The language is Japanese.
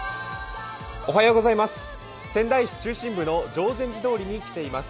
仙台市中心部の定禅寺通りに来ています。